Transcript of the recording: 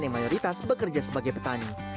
yang mayoritas bekerja sebagai petani